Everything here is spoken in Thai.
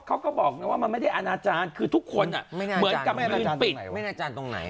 เขาก็บอกว่ามันไม่ได้อันอาจารย์คือทุกคนเมื่อกลับไม่ลืมปิด